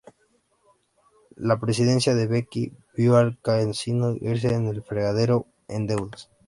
La presidencia de Becky vio al casino irse por el fregadero en deudas.